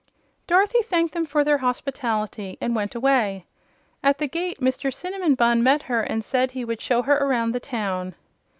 Dorothy thanked them for their hospitality and went away. At the gate Mr. Cinnamon Bunn met her and said he would show her around the town.